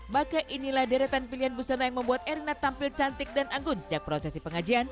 maka inilah deretan pilihan busana yang membuat erina tampil cantik dan anggun sejak prosesi pengajian